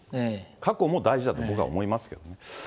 過去も大事だと、僕は思いますけどね。